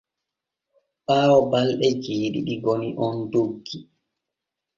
Ɓaawo balɗe jeeɗiɗi goni on doggi.